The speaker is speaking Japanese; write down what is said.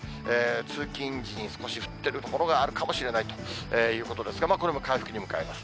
通勤時に少し降っている所があるかもしれないということですが、これも回復に向かいます。